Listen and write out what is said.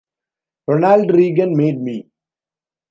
Ronald Reagan made me.